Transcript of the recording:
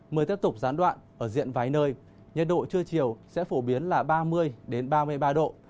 mưa tiếp tục gián đoạn ở diện vài nơi nhiệt độ trưa chiều sẽ phổ biến là ba mươi ba mươi ba độ